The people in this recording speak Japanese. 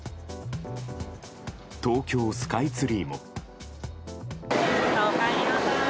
東京スカイツリーも。